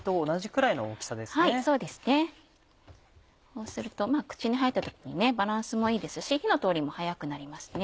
こうすると口に入った時にバランスもいいですし火の通りも早くなりますね。